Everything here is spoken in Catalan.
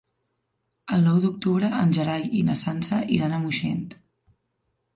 El nou d'octubre en Gerai i na Sança iran a Moixent.